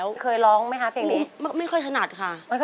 สวัสดีครับ